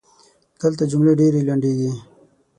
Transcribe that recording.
دلته جملې ډېري لنډیږي.